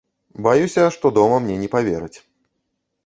Баюся, што дома мне не павераць.